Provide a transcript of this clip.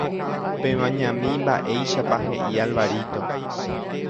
Pemañami mba'éichapa he'i Alvarito